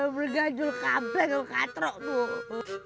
berganjol kabel ke katrok lu